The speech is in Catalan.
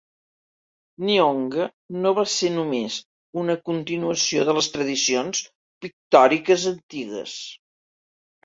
"Nihonga" no va ser només una continuació de les tradicions pictòriques antigues.